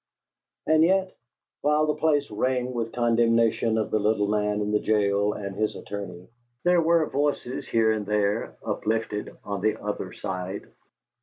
And yet, while the place rang with condemnation of the little man in the jail and his attorney, there were voices, here and there, uplifted on the other side.